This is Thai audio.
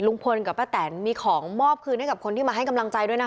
ลุงพลกับป้าแตนมีของมอบคืนให้กับคนที่มาให้กำลังใจด้วยนะ